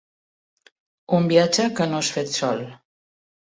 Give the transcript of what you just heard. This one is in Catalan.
Un viatge que no ha fet sol.